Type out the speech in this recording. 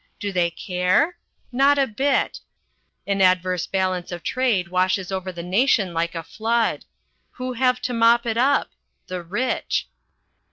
Do they care? Not a bit. An adverse balance of trade washes over the nation like a flood. Who have to mop it up? The rich.